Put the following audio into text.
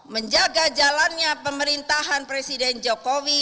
menjaga jalannya pemerintahan presiden jokowi